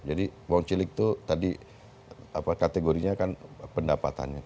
jadi wong cilik itu tadi kategorinya kan pendapatannya